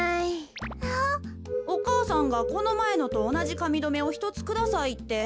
お母さんがこのまえのとおなじかみどめをひとつくださいって。